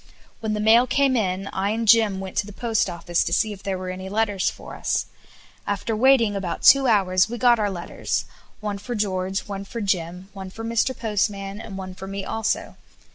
When the mail came in, I and Jim went to the Post Office to see if there were any letters for us. After waiting about two hours we got our letters; one for George, one for Jim, one for Mr. Postman, and one for me also.